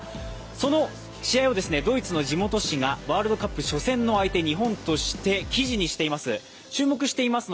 その試合をドイツの地元紙がワールドカップ初戦の相手、日本として記事にしています。